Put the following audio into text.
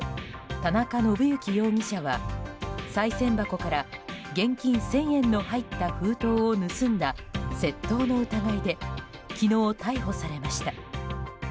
田中信幸容疑者はさい銭箱から現金１０００円の入った封筒を盗んだ窃盗の疑いで昨日逮捕されました。